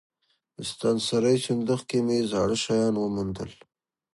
د ستنسرۍ صندوق کې مې زاړه شیان وموندل.